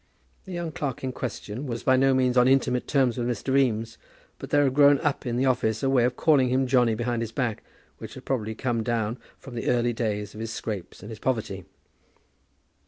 The young clerk in question was by no means on intimate terms with Mr. Eames, but there had grown up in the office a way of calling him Johnny behind his back, which had probably come down from the early days of his scrapes and his poverty.